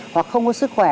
hoặc không có sức khỏe